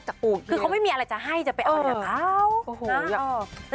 จริงคือเขาไม่มีอะไรจะให้จะไปเอาอย่างนั้นครับเอ้านะโอ้โฮอย่างนั้น